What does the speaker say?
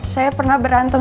saya pernah berantem